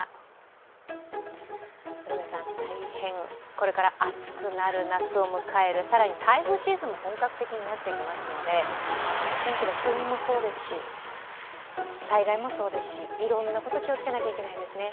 これから暑くなる、夏を迎える、更に台風シーズンも本格的になってきますので、天気の急変もそうですし災害もそうですしいろんなこと気をつけなきゃいけないですね。